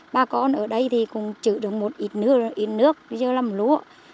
bà con ở đây cũng chữ được một ít nước làm lúa